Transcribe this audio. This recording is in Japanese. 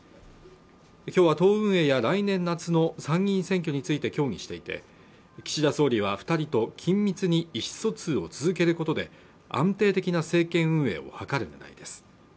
今日は党運営や来年夏の参議院選挙について協議していて岸田総理は二人と緊密に意思疎通を続けることで安定的な政権運営を図るねらいです